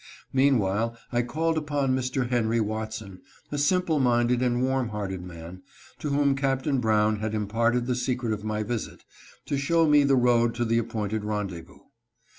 Meanwhile, I called upon Mr. Henry Watson, a simple minded and warm hearted man, to whom Capt. Brown had imparted the secret of my visit, to show me the road to the appointed rendezvous.